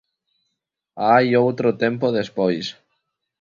Hai outro tempo despois.